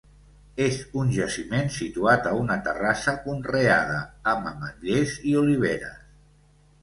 És un jaciment situat a una terrassa conreada amb ametllers i oliveres.